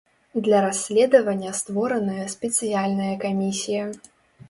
Для расследавання створаная спецыяльная камісія.